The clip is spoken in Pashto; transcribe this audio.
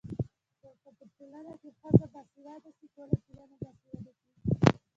که په ټولنه کي ښځه باسواده سي ټولنه باسواده کيږي.